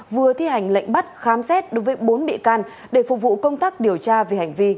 vừa thi hành lệnh bắt khám xét đối với bốn bị can để phục vụ công tác điều tra về hành vi